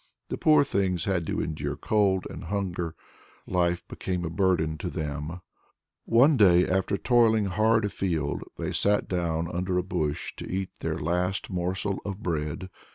The poor things had to endure cold and hunger. Life became a burden to them. One day, after toiling hard afield, they sat down under a bush to eat their last morsel of bread.